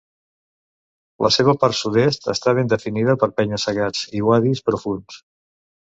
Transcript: La seva part sud-est està ben definida per penya-segats i uadis profunds.